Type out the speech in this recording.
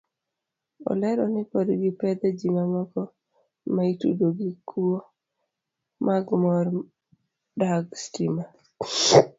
Olero ni pod gipedho ji mamoko maitudo gi kuo mag mor dag stima.